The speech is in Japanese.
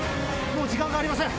もう時間がありません。